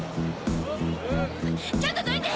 ちょっとどいて！